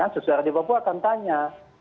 sejarah di papua akan tanya